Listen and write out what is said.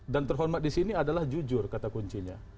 dan terhormat di sini adalah jujur kata kuncinya